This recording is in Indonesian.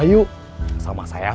kamu pengen pacing sampe season eight